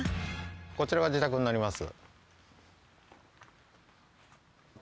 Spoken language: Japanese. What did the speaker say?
こちらが自宅になります。